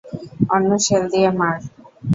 অন্য শেল দিয়ে মার!